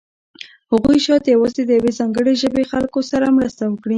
هغوی شاید یوازې د یوې ځانګړې ژبې خلکو سره مرسته وکړي.